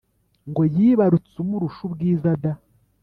ngo yibarutse umurusha ubwiza da!